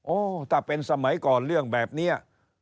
ถ้าเป็นสมัยก่อนเรื่องแบบนี้